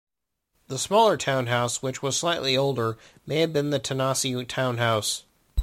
The smaller townhouse, which was slightly older, may have been the Tanasi townhouse.